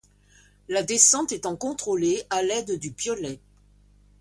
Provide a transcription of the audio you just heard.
La descente étant contrôlée à l'aide du piolet.